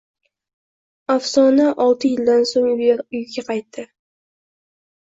Afsonaoltiyildan so‘ng uyiga qaytdi